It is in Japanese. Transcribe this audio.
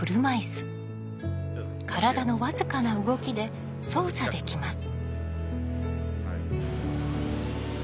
体の僅かな動きで操作できます。